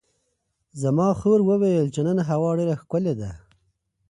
زما خور وویل چې نن هوا ډېره ښکلې ده.